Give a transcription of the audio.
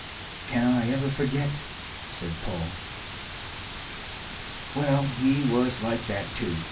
"Can I ever forget?" said Paul. "Well, he was like that too.